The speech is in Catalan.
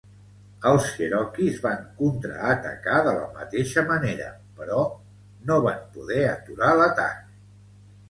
Els cherokees van contraatacar de la mateixa manera, però no van poder aturar l'atac.